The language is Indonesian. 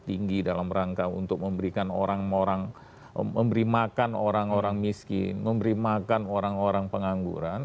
tinggi dalam rangka untuk memberikan orang orang memberi makan orang orang miskin memberi makan orang orang pengangguran